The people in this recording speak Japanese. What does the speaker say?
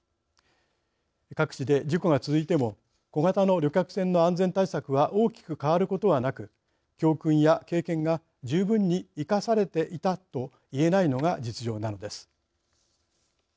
各地で事故が続いても小型の旅客船の安全対策は大きく変わることはなく教訓や経験が十分に生かされていたと言えないのが実情なんです。